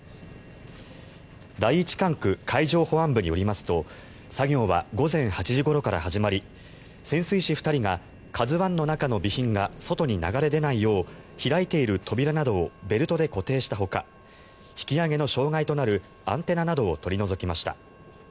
第一管区海上保安本部によりますと作業は午前８時ごろから始まり潜水士２人が「ＫＡＺＵ１」の中の備品が外に流れ出ないよう開いている扉などをベルトで固定したほか引き揚げの障害となるアンテナなどを取り除きました。